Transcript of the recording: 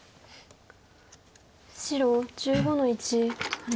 白１５の一ハネ。